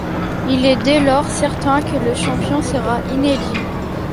Il est dès lors certain que le champion sera inédit.